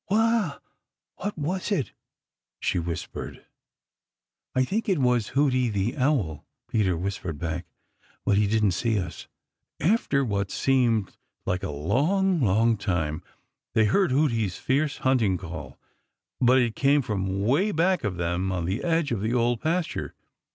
"Wha what was it?" she whispered. "I think it was Hooty the Owl," Peter whispered back, "but he didn't see us." After what seemed like a long, long time they heard Hooty's fierce hunting call, but it came from way back of them on the edge of the Old Pasture.